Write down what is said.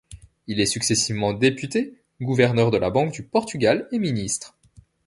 Il est successivement député, gouverneur de la Banque du Portugal et ministre.